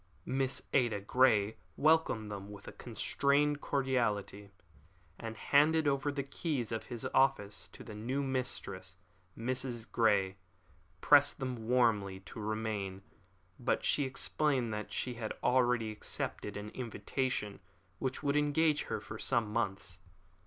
Miss Ada Grey welcomed them with a constrained cordiality, and handed over the keys of office to the new mistress. Mrs. Grey pressed her warmly to remain, but she explained that she had already accepted an invitation which would engage her for some months.